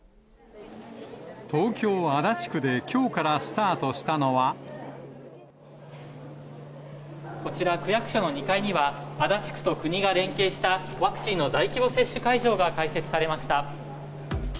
東京・足立区できょうからスこちら、区役所の２階には、足立区と国が連携したワクチンの大規模接種会場が開設されました。